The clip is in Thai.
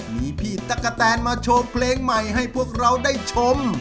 มีพี่ตั๊กกะแตนมาโชว์เพลงใหม่ให้พวกเราได้ชม